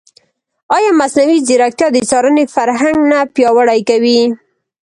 ایا مصنوعي ځیرکتیا د څارنې فرهنګ نه پیاوړی کوي؟